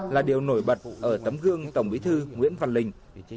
là điều nổi bật ở tấm gương tổng bí thư nguyễn văn linh